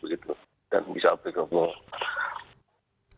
dan bisa berkembang